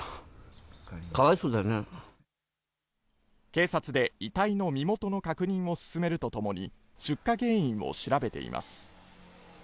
警察で遺体の身元の確認を進めるとともに出火原因を調べています。